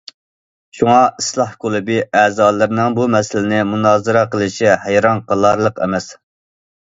شۇڭا، ئىسلاھ كۇلۇبى ئەزالىرىنىڭ بۇ مەسىلىنى مۇنازىرە قىلىشى ھەيران قالارلىق ئەمەس.